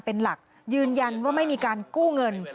เป็นหลักยืนยันว่าไม่มีการกู้เงิน